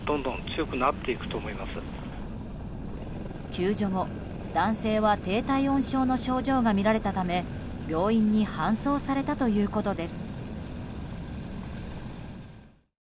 救助後、男性は低体温症の症状がみられたため病院に搬送されたということです。